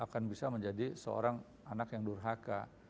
akan bisa menjadi seorang anak yang durhaka